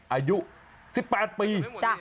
อายุ๑๘ปี